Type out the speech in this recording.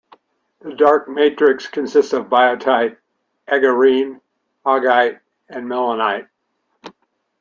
The dark matrix consists of biotite, aegirine-augite and melanite.